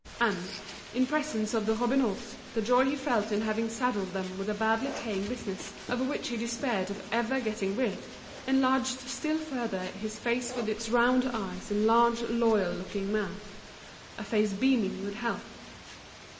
And, in presence of the Robineaus, the joy he felt in having saddled them with a badly paying business of which he despaired of ever getting rid, enlarged still further his face with its round eyes and large loyal looking mouth, a face beaming with health.